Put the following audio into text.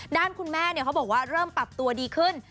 ด้านคุณแม่เขาบอกว่าเริ่มปรับตัวดีขึ้น